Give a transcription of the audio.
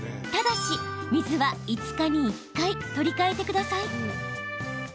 ただし、水は５日に１回取り替えてください。